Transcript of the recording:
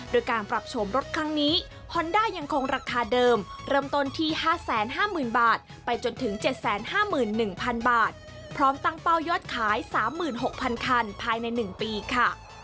โดยการปรับโฉมรถครั้งนี้ฮอนด้ายังคงราคาเดิมเริ่มต้นที่๕๕๐๐๐บาทไปจนถึง๗๕๑๐๐๐บาทพร้อมตั้งเป้ายอดขาย๓๖๐๐คันภายใน๑ปีค่ะ